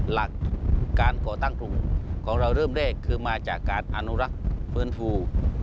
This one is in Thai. หลักการก่อตั้งกลุ่มของเราเริ่มแรกคือมาจากการอนุรักษ์ฟื้นฟู